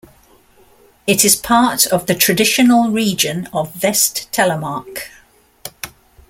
It is part of the traditional region of Vest-Telemark.